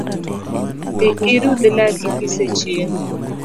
Dhi irudh laki kisechiemo